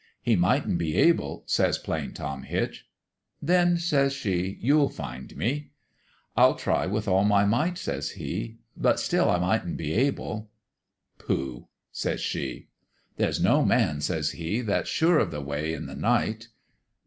"' He mightn't be able,' says Plain Tom Hitch. "'Then,' says she, 'you'd find me.' "' I'd try with all my might,' says he ;' but still I mightn't be able.' "' Pooh !' says she, "' There's no man,' says he, ' that's sure of the way in the night.'